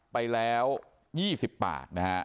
ไปแล้ว๒๐ปากนะครับ